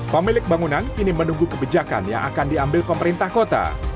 pemilik bangunan kini menunggu kebijakan yang akan diambil pemerintah kota